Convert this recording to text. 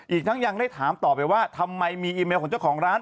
อีกทั้งยังได้ถามต่อไปว่าทำไมมีอีเมลของเจ้าของร้าน